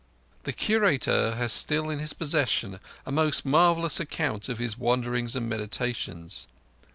(The Curator has still in his possession a most marvellous account of his wanderings and meditations.)